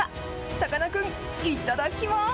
さかなクン、いただきます。